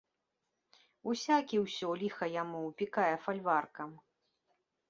Усякі ўсё, ліха яму, упікае фальваркам.